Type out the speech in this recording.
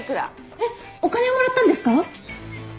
えっお金をもらったんですか？